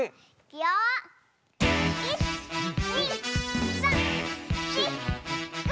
１２３４５！